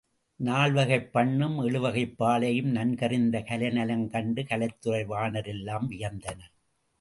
நால்வகைப் பண்ணும் எழுவகைப் பாலையும் நன்கறிந்த கலைநலங் கண்டு கலைத்துறை வாணரெல்லாரும் வியந்தனர்.